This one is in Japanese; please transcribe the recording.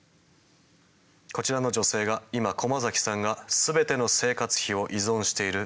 こちらの女性が今駒崎さんが全ての生活費を依存している女性です。